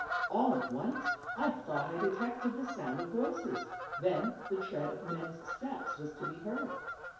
All at once I thought I detected the sound of voices ; then the tread of men's steps was to be heard.